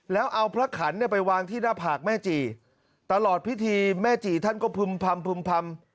แล้วเอาพระขันไปวางที่หน้าผากแม่จีตลอดพิธีแม่จีท่านก็พึ่มพำ